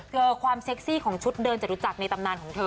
คือความเซ็กซี่ของชุดเดินจรุจักรในตำนานของเธอ